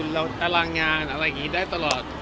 เราตารางงานอะไรอย่างนี้ได้ตลอด